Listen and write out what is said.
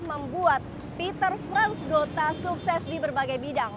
membuat peter franz gota sukses di berbagai bidang